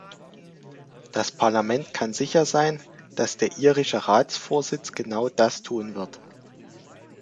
Das Parlament kann sicher sein, dass der irische Ratsvorsitz genau das tun wird.